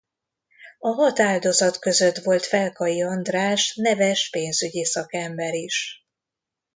A hat áldozat között volt Felkai András neves pénzügyi szakember is.